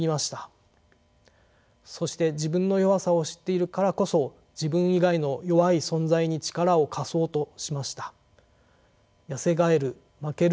そして自分の弱さを知っているからこそ自分以外の弱い存在に力を貸そうとしました。